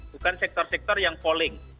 bukan sektor sektor yang polling